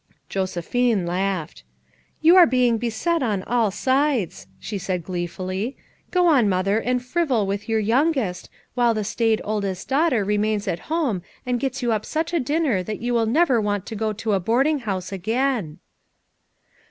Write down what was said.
Josephine laughed. " You are being beset on all sides," she said gleefully. "Go on, Mother, and frivol with your youngest, while the staid oldest daughter remains at home and gets you up such a dinner that you will never want to go to a boarding house again."